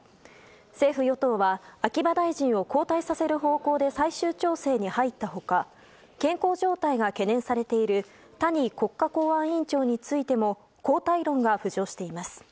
政府・与党は秋葉大臣を交代させる方向で最終調整に入った他健康状態が懸念されている谷国家公安委員長についても交代論が浮上しています。